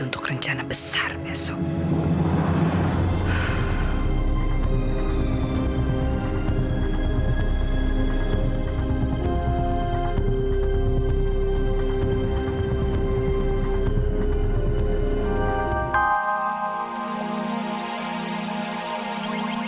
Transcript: untuk rencana besar besok